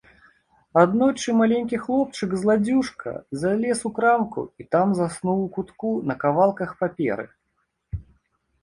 Аднойчы маленькі хлопчык-зладзюжка залез у крамку і там заснуў у кутку на кавалках паперы.